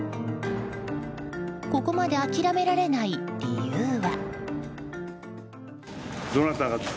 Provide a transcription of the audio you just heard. ここまで諦められない理由は。